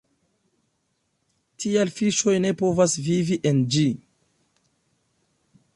Tial fiŝoj ne povas vivi en ĝi.